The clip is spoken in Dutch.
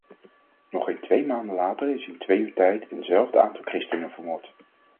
Nog geen twee maanden later is in twee uur tijd eenzelfde aantal christenen vermoord.